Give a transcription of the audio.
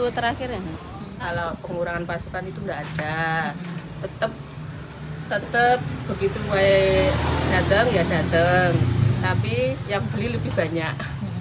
tapi yang beli lebih banyak